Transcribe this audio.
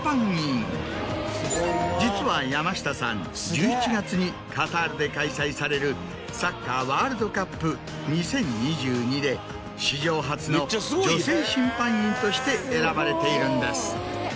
実は山下さん１１月にカタールで開催されるサッカー・ワールドカップ２０２２で史上初の女性審判員として選ばれているんです。